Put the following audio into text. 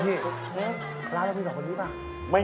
นี่น้ำของพี่ดีกว่า